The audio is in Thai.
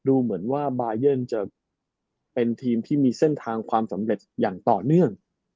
ดูเหมือนว่าบายันจะเป็นทีมที่มีเส้นทางความสำเร็จอย่างต่อเนื่อง